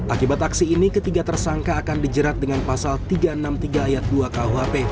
akibat aksi ini ketiga tersangka akan dijerat dengan pasal tiga ratus enam puluh tiga ayat dua kuhp